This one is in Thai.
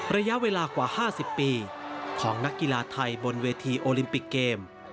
ระยะเวลากว่า๕๐ปีของนักกีฬาไทยบนเวทีโอลิมปิกเกม